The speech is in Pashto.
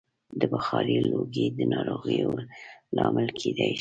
د بخارۍ لوګی د ناروغیو لامل کېدای شي.